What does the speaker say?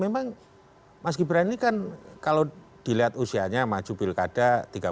memang mas gibran ini kan kalau dilihat usianya maju pilkada tiga puluh